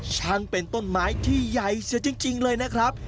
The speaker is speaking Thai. ช่างเป็นต้นไม้ที่ใหญ่เสียจริงเลยนะครับ